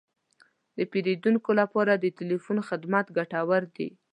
د پیرودونکو لپاره د تلیفون خدمت ګټور دی.